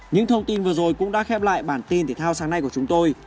những thông tin vừa rồi cũng đã khép lại bản tin thể thao sáng nay của chúng tôi